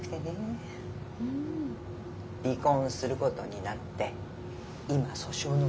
離婚することになって今訴訟の真っ最中。